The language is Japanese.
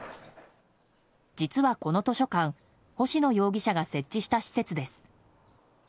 実は、この図書館星野容疑者が設置した施設です。